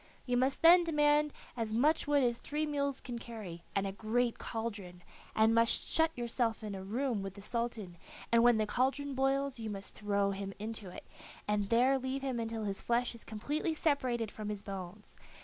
You must then demand as much wood as three mules can carry, and a great cauldron, and must shut yourself up in a room with the Sultan, and when the cauldron boils you must throw him into it, and there leave him until his flesh is completely separated from his bones.